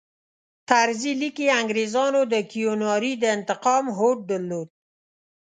طرزي لیکي انګریزانو د کیوناري د انتقام هوډ درلود.